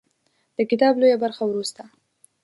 د کتاب لویه برخه وروسته